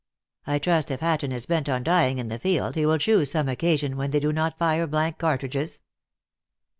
" I trust, if Hatton is bent on dying in the field, lie will choose some occasion when they do not fire blank cartridges."